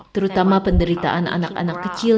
terutama penderitaan anak anak kecil